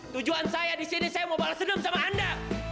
tujuan saya disini saya mau balas dendam sama anda